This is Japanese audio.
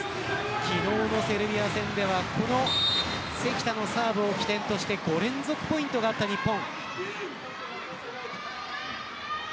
昨日のセルビア戦ではこの関田のサーブを起点として５連続ポイントがあった日本。